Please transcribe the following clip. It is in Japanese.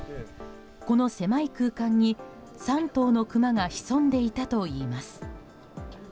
この狭い空間に３頭のクマが潜んでいたといいます。